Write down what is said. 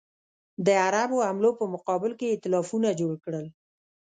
د عربو حملو په مقابل کې ایتلافونه جوړ کړل.